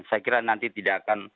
saya kira nanti tidak akan